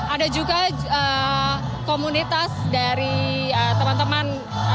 ada juga komunitas dari teman teman